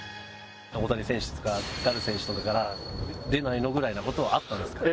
大谷選手とかダル選手とかから「出ないの？」ぐらいな事はあったんですか？